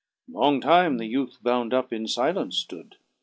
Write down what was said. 6. Long time the youth bound up in (ilence flood.